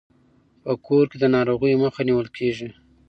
په کور کې د ناروغیو مخه نیول کیږي.